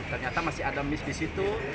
ternyata masih ada miss di situ